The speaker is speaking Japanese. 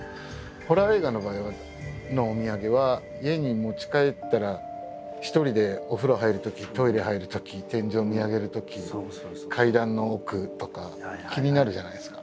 ホラー映画の場合のお土産は家に持ち帰ったら一人でお風呂入るときトイレ入るとき天井見上げるとき階段の奥とか気になるじゃないですか。